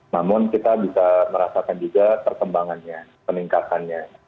namun kita bisa merasakan juga perkembangannya peningkatannya